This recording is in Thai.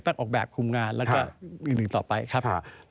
ต้องออกแบบคุมงานแล้วก็อีกหนึ่งต่อไปครับ